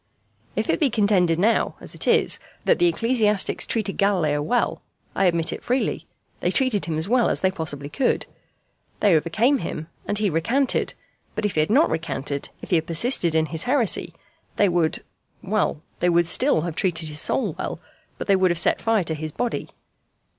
If it be contended now, as it is, that the ecclesiastics treated Galileo well, I admit it freely: they treated him as well as they possibly could. They overcame him, and he recanted; but if he had not recanted, if he had persisted in his heresy, they would well, they would still have treated his soul well, but they would have set fire to his body.